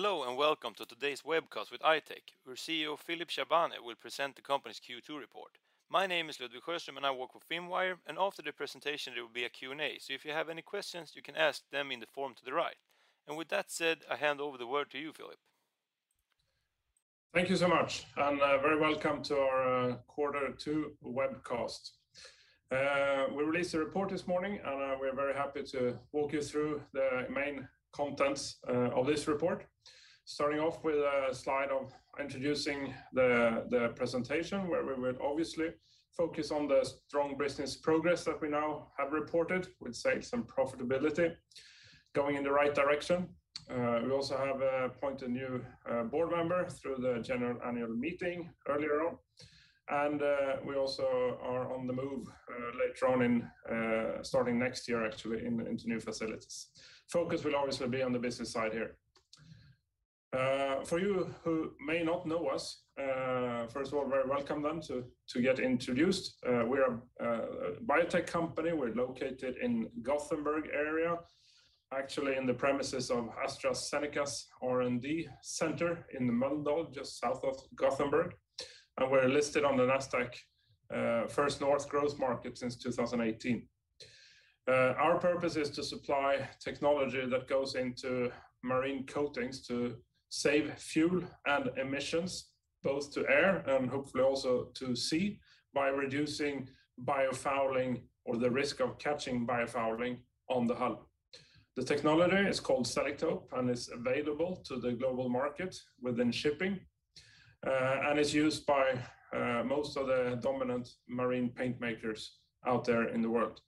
Hello and welcome to today's webcast with I-Tech, where CEO Philip Chaabane will present the company's Q2 report. My name is Ludwig Sjöström and I work with Finwire, and after the presentation, there will be a Q&A. If you have any questions, you can ask them in the form to the right. With that said, I hand over the word to you, Philip. Thank you so much. Very welcome to our Q2 webcast. We released a report this morning, and we're very happy to walk you through the main contents of this report. Starting off with a slide of introducing the presentation, where we would obviously focus on the strong business progress that we now have reported with sales and profitability going in the right direction. We also have appointed a new board member through the general annual meeting earlier on. We also are on the move later on in starting next year, actually, into new facilities. Focus will obviously be on the business side here. For you who may not know us, first of all, very welcome then to get introduced. We are a biotech company. We're located in Gothenburg area, actually in the premises of AstraZeneca's R&D center in Mölndal, just south of Gothenburg. We're listed on the Nasdaq First North Growth Market since 2018. Our purpose is to supply technology that goes into marine coatings to save fuel and emissions, both to air and hopefully also to sea, by reducing biofouling or the risk of catching biofouling on the hull. The technology is called Selektope, and it's available to the global market within shipping, and it's used by most of the dominant marine paint makers out there in the world.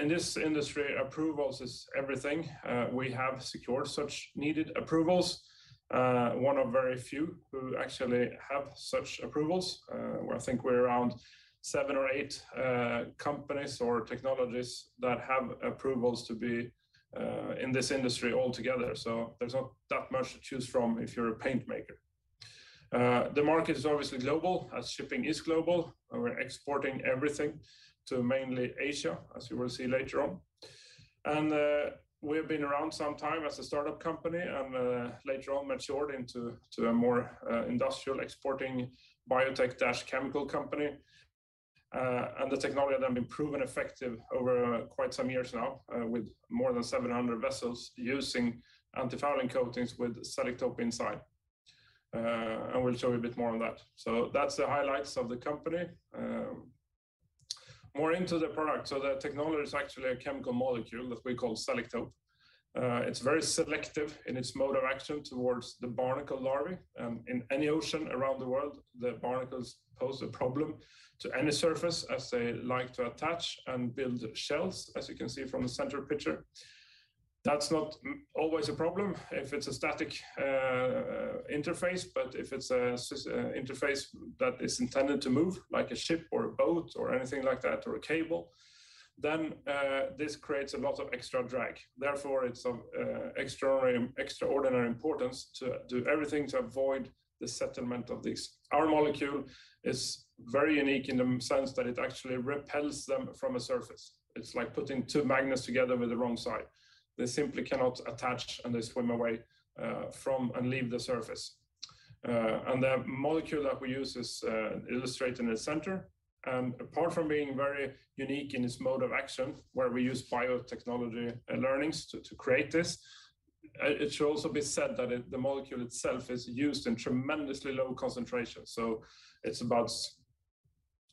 In this industry, approvals is everything. We have secured such needed approvals. One of very few who actually have such approvals, where I think we're around 7 or 8 companies or technologies that have approvals to be in this industry altogether. There's not that much to choose from if you're a paint maker. The market is obviously global, as shipping is global. We're exporting everything to mainly Asia, as you will see later on. We've been around some time as a startup company and later on matured into a more industrial exporting biotech-chemical company. The technology has then been proven effective over quite some years now with more than 700 vessels using antifouling coatings with Selektope inside. We'll show you a bit more on that. That's the highlights of the company. More into the product. The technology is actually a chemical molecule that we call Selektope. It's very selective in its mode of action towards the barnacle larvae. In any ocean around the world, the barnacles pose a problem to any surface as they like to attach and build shells, as you can see from the center picture. That's not always a problem if it's a static interface. If it's a interface that is intended to move like a ship or a boat or anything like that, or a cable, then this creates a lot of extra drag. Therefore, it's of extraordinary importance to do everything to avoid the settlement of these. Our molecule is very unique in the sense that it actually repels them from a surface. It's like putting two magnets together with the wrong side. They simply cannot attach, and they swim away from and leave the surface. The molecule that we use is illustrated in the center. Apart from being very unique in its mode of action, where we use biotechnology learnings to create this, it should also be said that the molecule itself is used in tremendously low concentration. It's about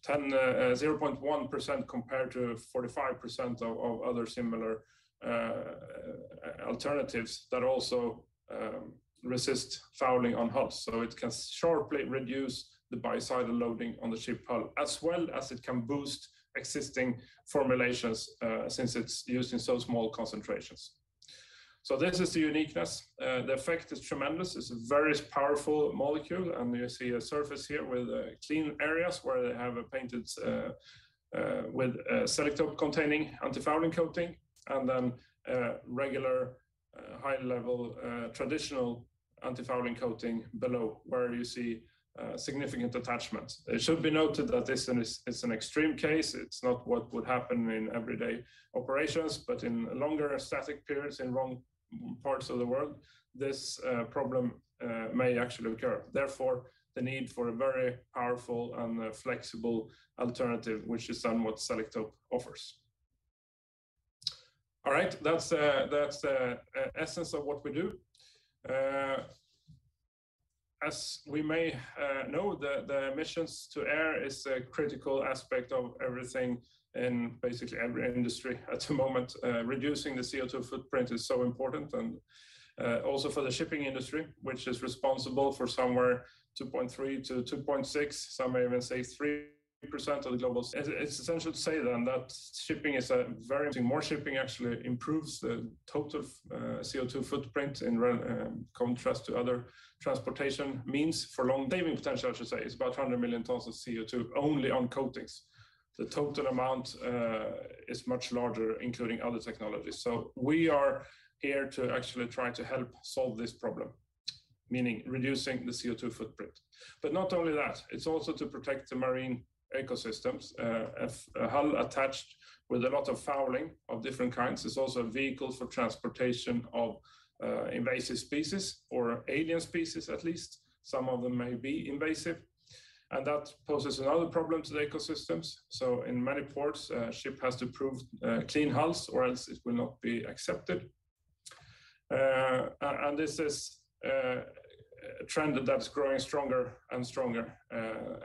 0.1% compared to 45% of other similar alternatives that also resist fouling on hulls. It can sharply reduce the biocide loading on the ship hull, as well as it can boost existing formulations, since it's used in so small concentrations. This is the uniqueness. The effect is tremendous. It's a very powerful molecule. You see a surface here with clean areas where they have painted with Selektope-containing antifouling coating and then regular high-level traditional antifouling coating below where you see significant attachments. It should be noted that this is an extreme case. It's not what would happen in everyday operations. In longer static periods in warm parts of the world, this problem may actually occur. Therefore, the need for a very powerful and a flexible alternative, which is what Selektope offers. All right. That's the essence of what we do. As we may know, the emissions to air is a critical aspect of everything in basically every industry at the moment. Reducing the CO2 footprint is so important and also for the shipping industry, which is responsible for somewhere 2.3%-2.6%, some may even say 3% of the global. It's essential to say then that shipping is a very. More shipping actually improves the total CO2 footprint in contrast to other transportation means. Saving potential, I should say, is about 100 million tons of CO2 only on coatings. The total amount is much larger, including other technologies. We are here to actually try to help solve this problem. Meaning reducing the CO2 footprint. But not only that, it's also to protect the marine ecosystems. A hull attached with a lot of fouling of different kinds is also a vehicle for transportation of invasive species or alien species, at least some of them may be invasive. That poses another problem to the ecosystems. In many ports, a ship has to prove clean hulls, or else it will not be accepted. This is a trend that's growing stronger and stronger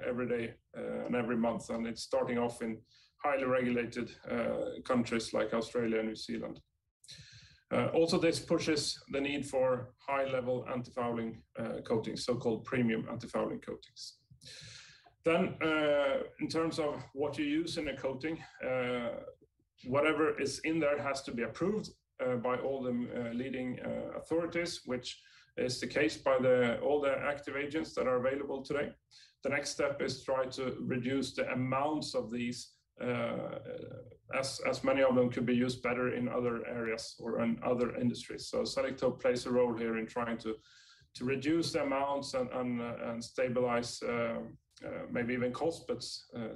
every day and every month, and it's starting off in highly regulated countries like Australia and New Zealand. Also this pushes the need for high-level antifouling coatings, so-called premium antifouling coatings. In terms of what you use in a coating, whatever is in there has to be approved by all the leading authorities, which is the case all the active agents that are available today. The next step is try to reduce the amounts of these, as many of them could be used better in other areas or in other industries. Selektope plays a role here in trying to reduce the amounts and stabilize maybe even cost, but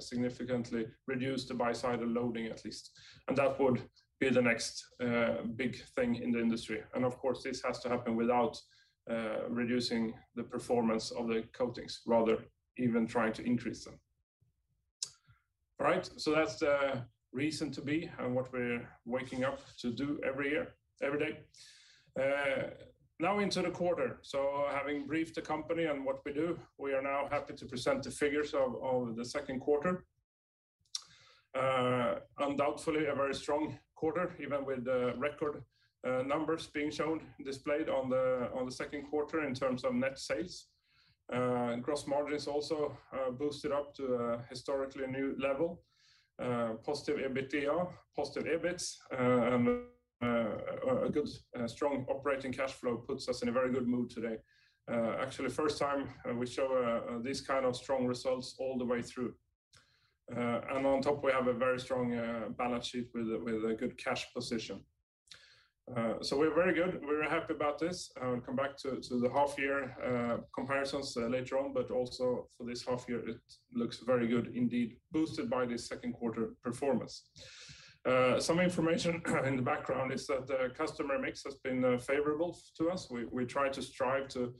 significantly reduce the biocidal loading at least. That would be the next big thing in the industry. Of course, this has to happen without reducing the performance of the coatings, rather even trying to increase them. All right, that's the reason to be and what we're waking up to do every year, every day. Now into the quarter. Having briefed the company on what we do, we are now happy to present the figures of the second quarter. Undoubtedly, a very strong quarter, even with the record numbers being shown, displayed on the second quarter in terms of net sales. Gross margins also boosted up to a historically new level. Positive EBITDA, positive EBIT, a good strong operating cash flow puts us in a very good mood today. Actually first time we show this kind of strong results all the way through. On top, we have a very strong balance sheet with a good cash position. We're very good. We're happy about this. I'll come back to the half year comparisons later on, but also for this half year, it looks very good indeed, boosted by the second quarter performance. Some information in the background is that the customer mix has been favorable to us. We try to strive to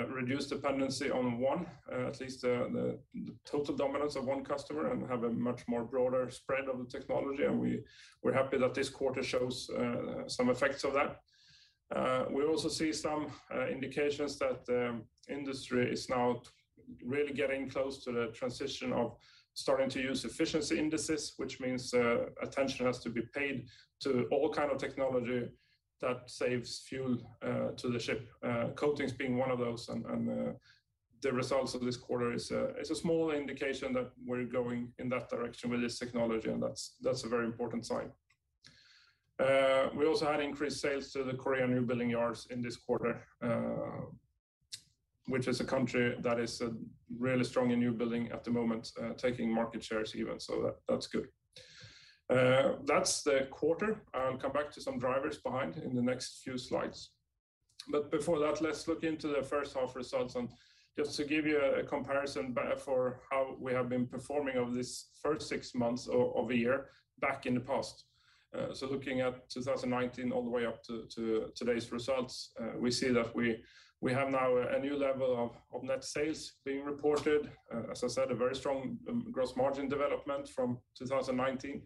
reduce dependency on one, at least, the total dominance of one customer and have a much more broader spread of the technology, and we're happy that this quarter shows some effects of that. We also see some indications that industry is now really getting close to the transition of starting to use efficiency indices, which means attention has to be paid to all kind of technology that saves fuel to the ship, coatings being one of those. The results of this quarter is a small indication that we're going in that direction with this technology, and that's a very important sign. We also had increased sales to the Korean newbuilding yards in this quarter, which is a country that is really strong in newbuilding at the moment, taking market shares even. That's good. That's the quarter. I'll come back to some drivers behind in the next few slides. Before that, let's look into the first half results and just to give you a comparison for how we have been performing over this first six months of a year back in the past. Looking at 2019 all the way up to today's results, we see that we have now a new level of net sales being reported. As I said, a very strong gross margin development from 2019.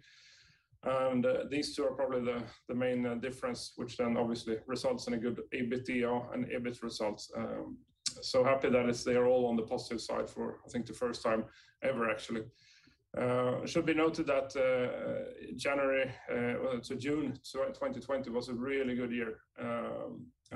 These two are probably the main difference, which then obviously results in a good EBITDA and EBIT results. Happy that they are all on the positive side for, I think, the first time ever, actually. It should be noted that January to June, so 2020 was a really good year.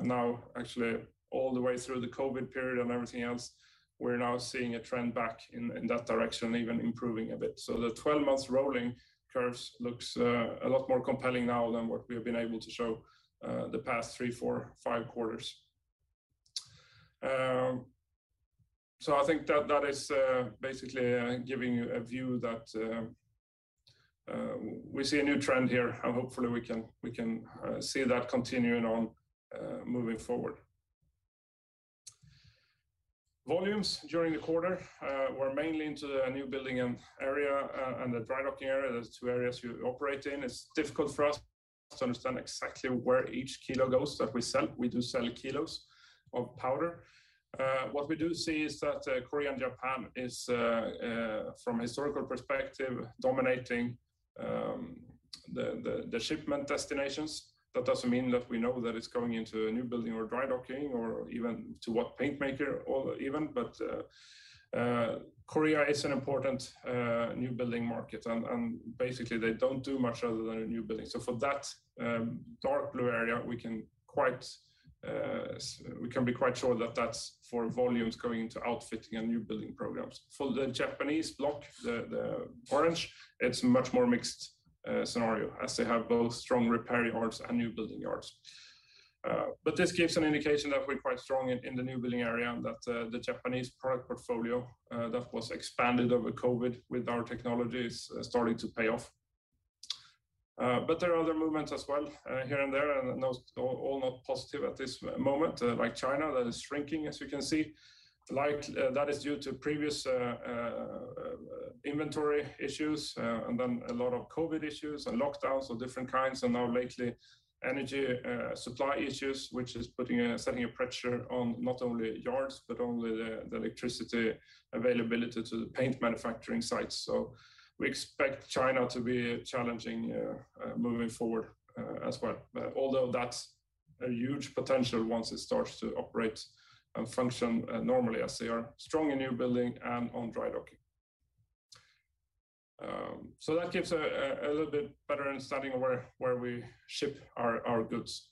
Now actually all the way through the COVID period and everything else, we're now seeing a trend back in that direction, even improving a bit. The 12 months rolling curves look a lot more compelling now than what we have been able to show the past three, four, five quarters. I think that that is basically giving you a view that we see a new trend here, and hopefully we can see that continuing on moving forward. Volumes during the quarter were mainly into the newbuilding area and the dry docking area. There are two areas you operate in. It's difficult for us to understand exactly where each kilo goes that we sell. We do sell kilos of powder. What we do see is that, Korea and Japan is, from a historical perspective, dominating, the shipment destinations. That doesn't mean that we know that it's going into a new building or dry docking or even to what paint maker or even. Korea is an important, new building market, and basically, they don't do much other than a new building. For that, dark blue area, we can quite, we can be quite sure that that's for volumes going into outfitting and new building programs. For the Japanese block, the orange, it's a much more mixed, scenario, as they have both strong repair yards and new building yards. This gives an indication that we're quite strong in the newbuilding area and that the Japanese product portfolio that was expanded over COVID with our technologies starting to pay off. There are other movements as well here and there, and those all not positive at this moment, like China that is shrinking, as you can see. Like, that is due to previous inventory issues and then a lot of COVID issues and lockdowns of different kinds, and now lately energy supply issues, which is setting a pressure on not only yards, but the electricity availability to the paint manufacturing sites. We expect China to be challenging moving forward as well. Although that's a huge potential once it starts to operate and function normally as they are strong in newbuilding and on dry docking. That gives a little bit better understanding of where we ship our goods.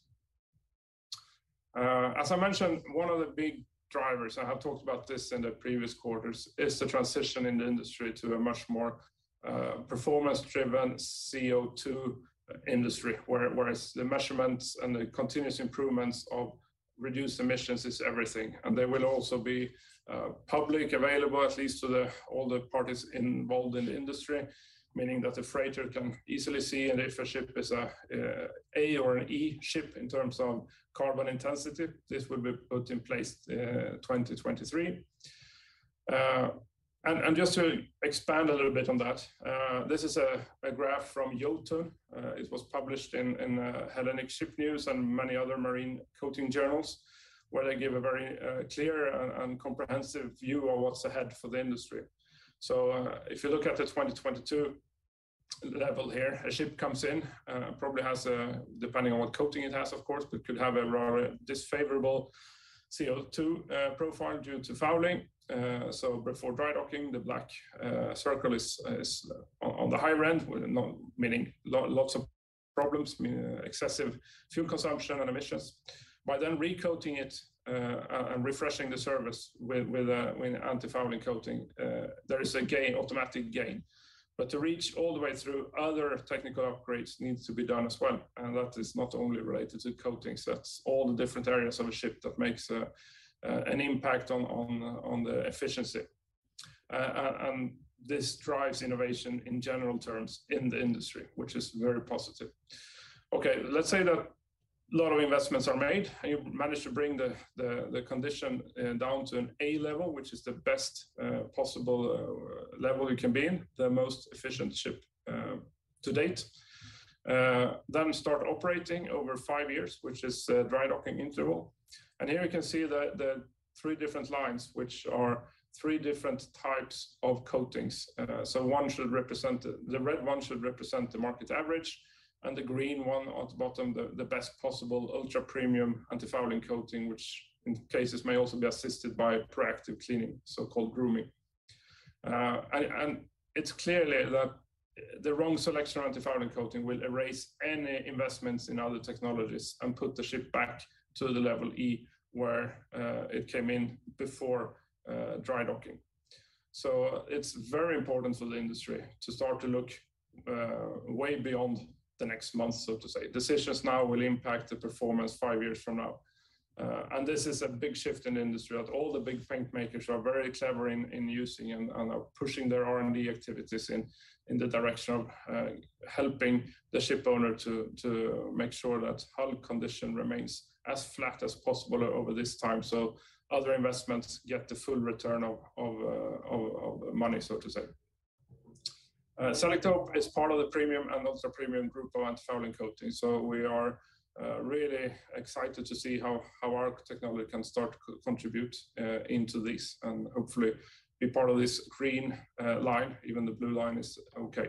As I mentioned, one of the big drivers, I have talked about this in the previous quarters, is the transition in the industry to a much more performance-driven CO2 industry, whereas the measurements and the continuous improvements of reduced emissions is everything. They will also be publicly available, at least to all the parties involved in the industry, meaning that the charterer can easily see and if a ship is an A or an E ship in terms of carbon intensity, this will be put in place 2023. Just to expand a little bit on that, this is a graph from Jotun. It was published in Hellenic Shipping News and many other marine coating journals, where they give a very clear and comprehensive view of what's ahead for the industry. If you look at the 2022 level here, a ship comes in, probably has, depending on what coating it has, of course, but could have a rather unfavorable CO2 profile due to fouling. Before dry docking, the black circle is on the higher end, meaning lots of problems, meaning excessive fuel consumption and emissions. By then recoating it and refreshing the service with antifouling coating, there is a gain, automatic gain. To reach all the way through, other technical upgrades needs to be done as well, and that is not only related to coatings, that's all the different areas of a ship that makes an impact on the efficiency. This drives innovation in general terms in the industry, which is very positive. Okay, let's say that a lot of investments are made, and you manage to bring the condition down to an A level, which is the best possible level you can be in, the most efficient ship to date. Start operating over five years, which is a dry docking interval. Here you can see the three different lines, which are three different types of coatings. The red one should represent the market average, and the green one at the bottom, the best possible ultra-premium antifouling coating, which in cases may also be assisted by proactive cleaning, so-called grooming. It's clear that the wrong selection of antifouling coating will erase any investments in other technologies and put the ship back to the level E, where it came in before dry docking. It's very important for the industry to start to look way beyond the next month, so to say. Decisions now will impact the performance five years from now. This is a big shift in industry, that all the big paint makers are very clever in using and are pushing their R&D activities in the direction of helping the ship owner to make sure that hull condition remains as flat as possible over this time, so other investments get the full return of money, so to say. Selektope is part of the premium and also premium group of antifouling coatings. We are really excited to see how our technology can start to contribute into this and hopefully be part of this green line, even the blue line is okay.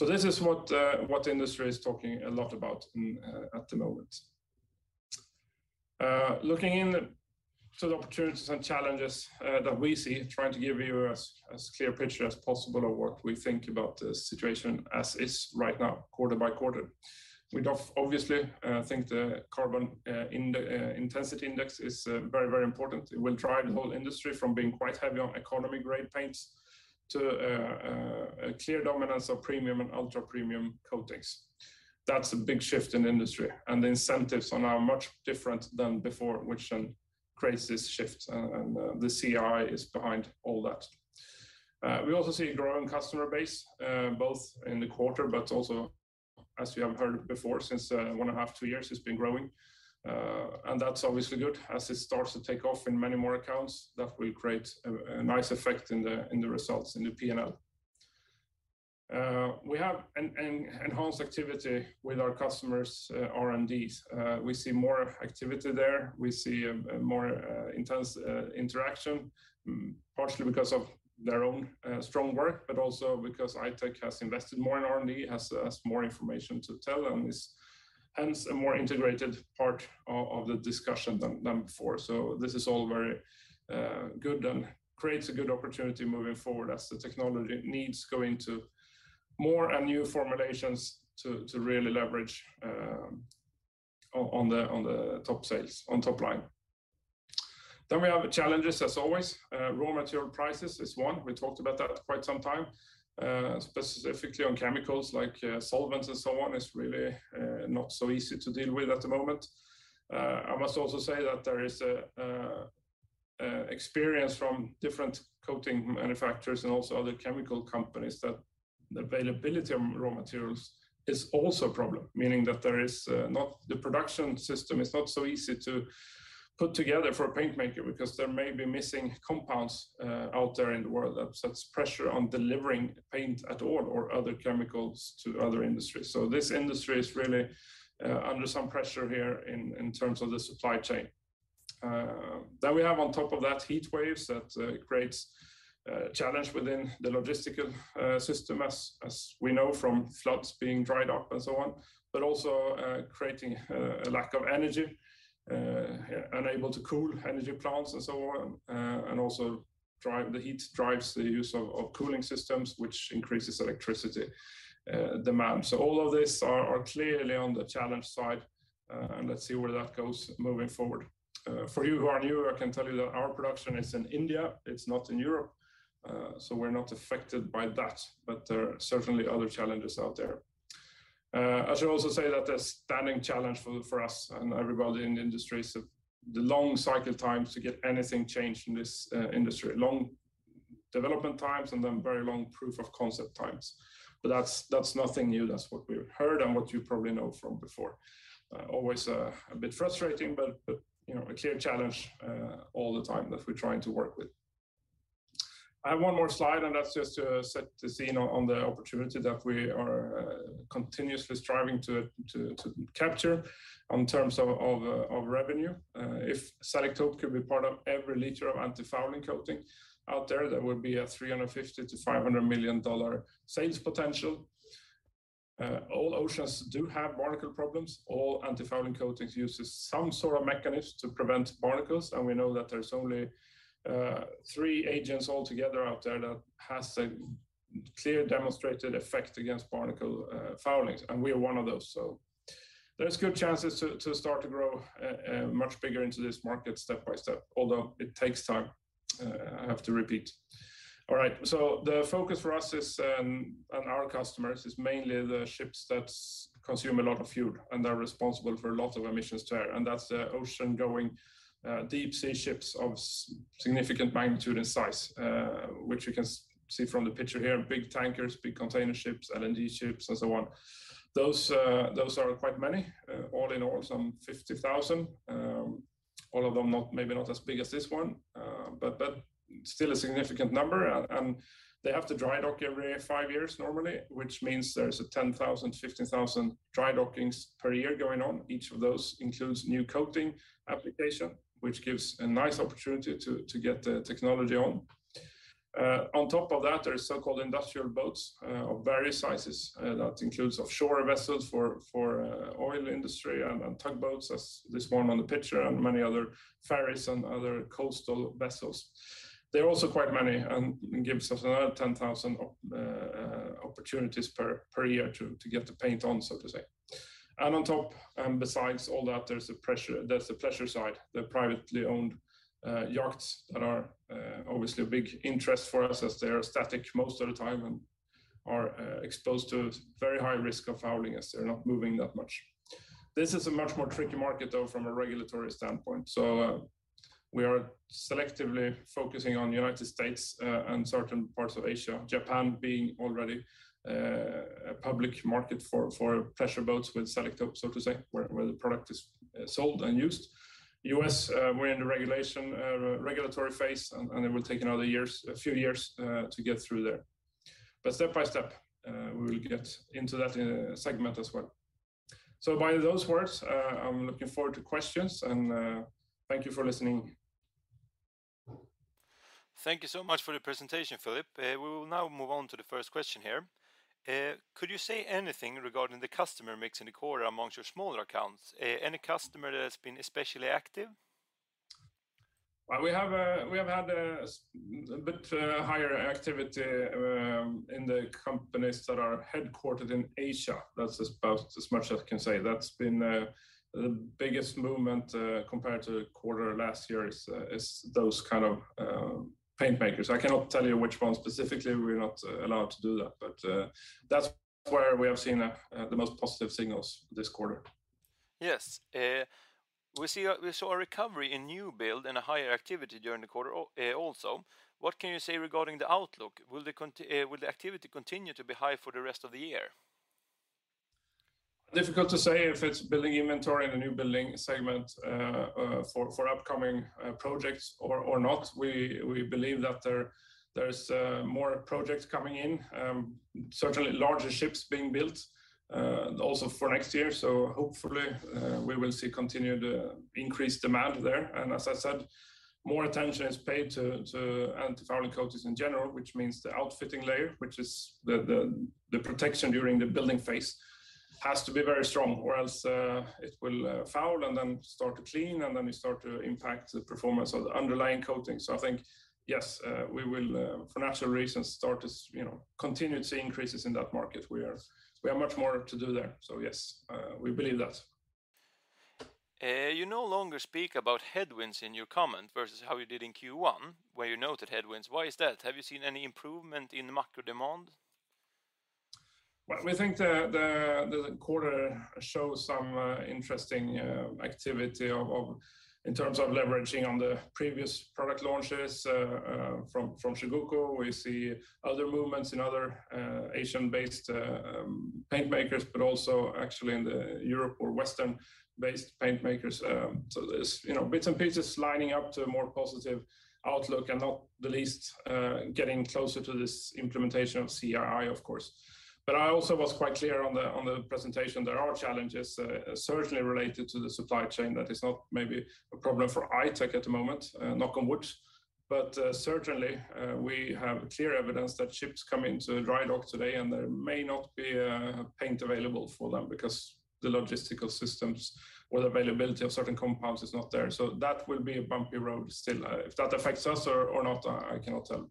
This is what the industry is talking a lot about at the moment. Looking to the opportunities and challenges that we see, trying to give you a clear picture as possible of what we think about the situation as is right now, quarter by quarter. We do obviously think the carbon intensity indicator is very, very important. It will drive the whole industry from being quite heavy on economy-grade paints to a clear dominance of premium and ultra-premium coatings. That's a big shift in industry, and the incentives are now much different than before, which then creates this shift, and the CII is behind all that. We also see a growing customer base both in the quarter, but also, as you have heard before, since 1.5-2 years, it's been growing. That's obviously good. As it starts to take off in many more accounts, that will create a nice effect in the results, in the P&L. We have enhanced activity with our customers' R&Ds. We see more activity there. We see a more intense interaction, partially because of their own strong work, but also because I-Tech has invested more in R&D, has more information to tell and is hence a more integrated part of the discussion than before. This is all very good and creates a good opportunity moving forward as the technology needs go into more and new formulations to really leverage on the top sales, on top line. We have challenges as always. Raw material prices is one. We talked about that quite some time. Specifically on chemicals like solvents and so on, it's really not so easy to deal with at the moment. I must also say that there is experience from different coating manufacturers and also other chemical companies that the availability of raw materials is also a problem, meaning that the production system is not so easy to put together for a paint maker because there may be missing compounds out there in the world that puts pressure on delivering paint at all or other chemicals to other industries. This industry is really under some pressure here in terms of the supply chain. We have on top of that heat waves that creates challenge within the logistical system as we know from floods being dried up and so on, but also creating a lack of energy, unable to cool energy plants and so on, and also drives the use of cooling systems, which increases electricity demand. All of this are clearly on the challenge side. Let's see where that goes moving forward. For you who are new, I can tell you that our production is in India, it's not in Europe, so we're not affected by that, but there are certainly other challenges out there. I should also say that the standing challenge for us and everybody in the industry is the long cycle times to get anything changed in this industry. Long development times, and then very long proof of concept times. That's nothing new. That's what we've heard and what you probably know from before. Always a bit frustrating, but you know, a clear challenge all the time that we're trying to work with. I have one more slide, and that's just to set the scene on the opportunity that we are continuously striving to capture on terms of revenue. If Selektope could be part of every liter of antifouling coating out there, that would be a $350 million-$500 million sales potential. All oceans do have barnacle problems. All antifouling coatings uses some sort of mechanism to prevent barnacles, and we know that there's only three agents altogether out there that has a clear demonstrated effect against barnacle foulings, and we are one of those. There's good chances to start to grow much bigger into this market step by step, although it takes time, I have to repeat. All right, the focus for us is and our customers is mainly the ships that consume a lot of fuel, and they're responsible for a lot of emissions there, and that's the ocean-going deep sea ships of significant magnitude and size, which you can see from the picture here, big tankers, big container ships, LNG ships and so on. Those are quite many, all in all, some 50,000. All of them not, maybe not as big as this one, but still a significant number, and they have to dry dock every five years normally, which means there's 10,000-15,000 dry dockings per year going on. Each of those includes new coating application, which gives a nice opportunity to get the technology on. On top of that, there is so-called industrial boats of various sizes that includes offshore vessels for oil industry and tugboats as this one on the picture, and many other ferries and other coastal vessels. There are also quite many and gives us another 10,000 opportunities per year to get the paint on, so to say. On top, besides all that, there's the pleasure side, the privately owned yachts that are obviously a big interest for us as they are static most of the time and are exposed to very high risk of fouling as they're not moving that much. This is a much more tricky market, though, from a regulatory standpoint. We are selectively focusing on United States and certain parts of Asia, Japan being already a public market for pleasure boats with Selektope, so to say, where the product is sold and used. U.S., we're in the regulatory phase, and it will take a few years to get through there. Step by step, we will get into that segment as well. By those words, I'm looking forward to questions, and thank you for listening. Thank you so much for the presentation, Philip. We will now move on to the first question here. Could you say anything regarding the customer mix in the quarter among your smaller accounts? Any customer that has been especially active? Well, we have had a bit higher activity in the companies that are headquartered in Asia. That's about as much as I can say. That's been the biggest movement compared to quarter last year is those kind of paint makers. I cannot tell you which one specifically. We're not allowed to do that, but that's where we have seen the most positive signals this quarter. Yes. We saw a recovery in newbuilding and a higher activity during the quarter, also. What can you say regarding the outlook? Will the activity continue to be high for the rest of the year? Difficult to say if it's building inventory in a new building segment for upcoming projects or not. We believe that there's more projects coming in, certainly larger ships being built also for next year. Hopefully, we will see continued increased demand there. As I said, more attention is paid to antifouling coatings in general, which means the outfitting layer, which is the protection during the building phase, has to be very strong, or else it will foul and then start to clean, and then it start to impact the performance of the underlying coating. I think, yes, we will for natural reasons start to, you know, continue to see increases in that market. We have much more to do there. Yes, we believe that. You no longer speak about headwinds in your comment versus how you did in Q1, where you noted headwinds. Why is that? Have you seen any improvement in the macro demand? Well, we think the quarter shows some interesting activity in terms of leveraging on the previous product launches from Chugoku. We see other movements in other Asian-based paint makers, but also actually in European or Western-based paint makers. There's, you know, bits and pieces lining up to a more positive outlook, and not the least, getting closer to this implementation of CII, of course. I also was quite clear on the presentation, there are challenges, certainly related to the supply chain that is not maybe a problem for I-Tech at the moment, knock on wood. Certainly, we have clear evidence that ships come into dry dock today, and there may not be paint available for them because the logistical systems or the availability of certain compounds is not there. That will be a bumpy road still. If that affects us or not, I cannot tell.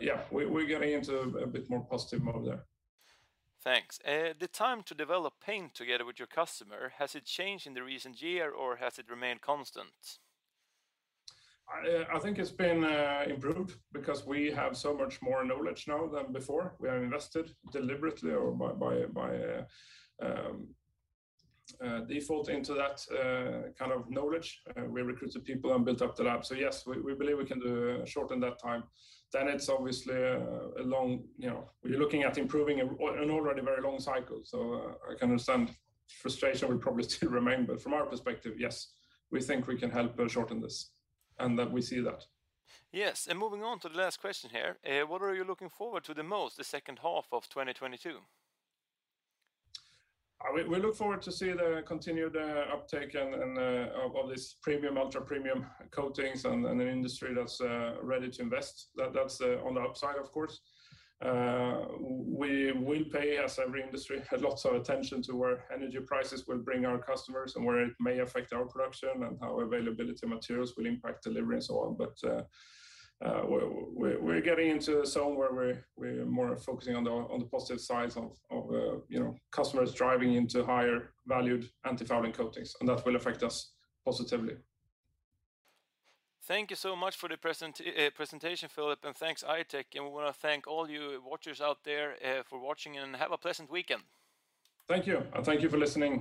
Yeah, we're getting into a bit more positive mode there. Thanks. The time to develop paint together with your customer, has it changed in the recent year, or has it remained constant? I think it's been improved because we have so much more knowledge now than before. We have invested deliberately or by defaulting to that kind of knowledge. We recruited people and built up the lab. Yes, we believe we can shorten that time. It's obviously a long, you know. We're looking at improving an already very long cycle. I can understand frustration will probably still remain. From our perspective, yes, we think we can help shorten this and that we see that. Yes. Moving on to the last question here. What are you looking forward to the most the second half of 2022? We look forward to see the continued uptake and of this premium, ultra-premium coatings and an industry that's ready to invest. That's on the upside, of course. We will pay, as every industry, lots of attention to where energy prices will bring our customers and where it may affect our production and how availability of materials will impact delivery and so on. We're getting into a zone where we're more focusing on the positive sides of, you know, customers driving into higher valued antifouling coatings, and that will affect us positively. Thank you so much for the presentation, Philip, and thanks I-Tech. We wanna thank all you watchers out there for watching, and have a pleasant weekend. Thank you, and thank you for listening.